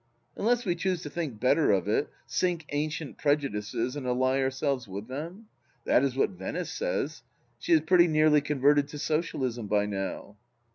Unless we choose to think better of it, sink ancient pre judices and ally ourselves with them ? That is what Venice says. She is pretty nearly converted to Socialism by now.